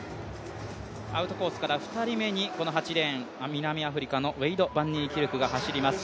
アウトコースから２人目に、８レーン、南アフリカのウェイド・バンニーキルクが走ります。